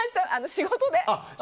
仕事で。